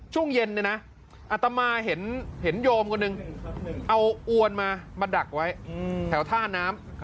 ช่วงเย็นเนี่ยนะอัตมาเห็นโยมคนหนึ่งเอาอวนมามาดักไว้แถวท่าน้ำ